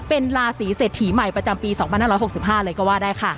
เป็นราศีเศรษฐีใหม่ประจำปี๒๕๖๕เลยก็ว่าได้ค่ะ